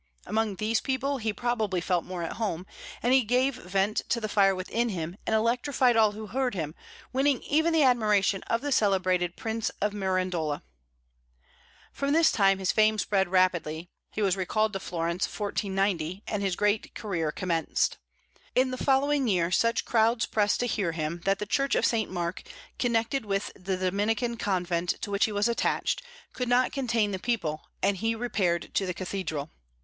Among these people he probably felt more at home; and he gave vent to the fire within him and electrified all who heard him, winning even the admiration of the celebrated Prince of Mirandola. From this time his fame spread rapidly, he was recalled to Florence, 1490, and his great career commenced. In the following year such crowds pressed to hear him that the church of St. Mark, connected with the Dominican convent to which he was attached, could not contain the people, and he repaired to the cathedral.